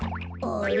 あれ？